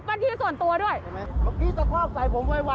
ไม่โอนเงินให้ก็จะเอาพวกหนูไปลงพักป่ะ